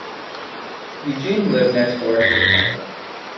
Eugene lived next door to the couple.